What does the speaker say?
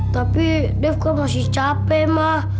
tapi dev aku masih capek ma